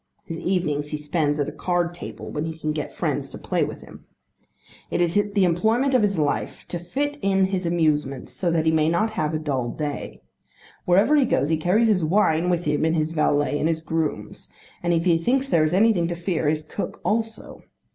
His evenings he spends at a card table when he can get friends to play with him. It is the employment of his life to fit in his amusements so that he may not have a dull day. Wherever he goes he carries his wine with him and his valet and his grooms; and if he thinks there is anything to fear, his cook also.